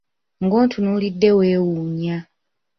Ng'ontunuulidde weewuunya.